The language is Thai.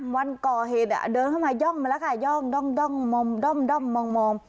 วันกอเหตุอ่ะเดินเข้ามาย่องมาแล้วค่ะย่องด้องด้องมอมด้อมด้อมมอมมอม